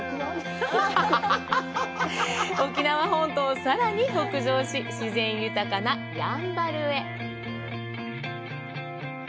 沖縄本島をさらに北上し、自然豊かなやんばるへ。